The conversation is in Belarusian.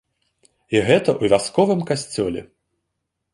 І гэта ў вясковым касцёле!